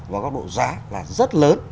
và góc độ giá là rất lớn